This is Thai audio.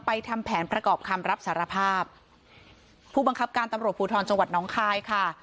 ทำแผนประกอบคำรับสารภาพผู้บังคับการตำรวจภูทรจังหวัดน้องคายค่ะ